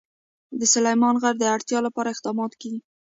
د سلیمان غر د اړتیاوو لپاره اقدامات کېږي.